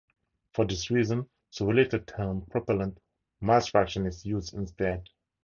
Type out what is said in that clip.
For this reason the related term propellant mass fraction, is used instead.